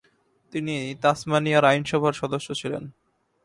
তিনি তাসমানিয়ার আইনসভার সদস্য ছিলেন।